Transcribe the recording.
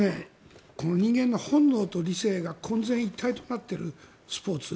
人間の本能と理性が混然一体となっているスポーツ。